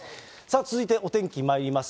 続いてお天気まいります。